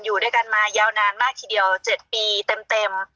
อยู่ด้วยกันมายาวนานมากทีเดียว๗ปีเต็ม